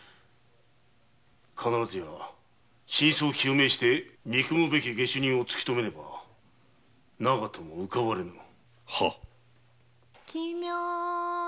必ずや真相を究明して憎むべき下手人を突きとめねば長門も浮かばれぬぞ。